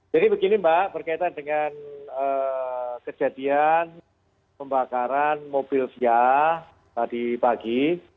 jadi begini mbak berkaitan dengan kejadian pembakaran mobil via tadi pagi